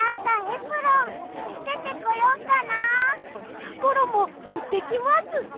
やころももってきます。